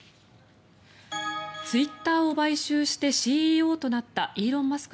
ツイッターを買収してＣＥＯとなったイーロン・マスク